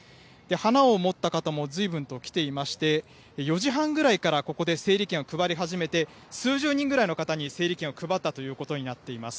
花を持った方も、随分と来ていまして、４時半ぐらいからここで整理券を配り始めて、数十人ぐらいの方に整理券を配ったということになります。